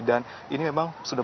dan ini memang sudah berulang